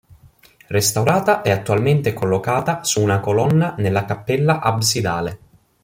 Restaurata è attualmente collocata su una colonna nella cappella absidale.